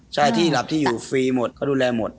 ใช่ที่หลับที่อยู่ฟรีหมดเขาดูแลหมด